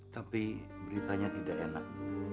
tapi beritanya tidak enak